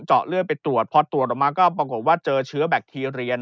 เจาะเลือดไปตรวจพอตรวจออกมาก็ปรากฏว่าเจอเชื้อแบคทีเรียน